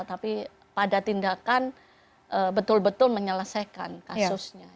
tapi pada tindakan betul betul menyelesaikan kasusnya